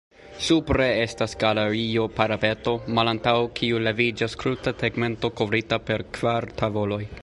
Supre estas galerio-parapeto, malantaŭ kiu leviĝas kruta tegmento kovrita per kvar tavoloj.